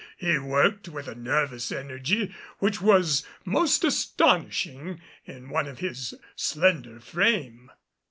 He worked with a nervous energy which was most astonishing in one of his slender frame.